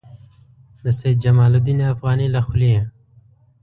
د سید جمال الدین افغاني له خولې.